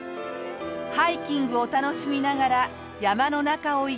ハイキングを楽しみながら山の中を行けば。